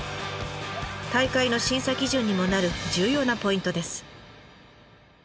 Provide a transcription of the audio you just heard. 大会の審査基準にもなる重要なポイントです。